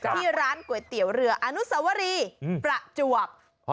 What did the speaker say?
ที่ร้านก๋วยเตี๋ยวเรืออนุสวรีประจวบ